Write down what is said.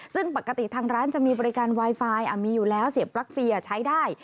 ซึ่งปกติทางร้านจะมีบริการไวไฟมีอยู่แล้วเสียบปลั๊เฟียใช้ได้